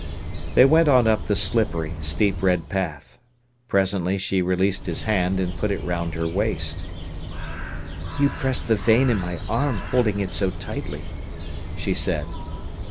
They went on up the slippery, steep red path. Presently she released his hand and put it round her waist. "You press the vein in my arm, holding it so tightly," she said.